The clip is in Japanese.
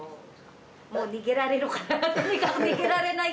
もう逃げられるから。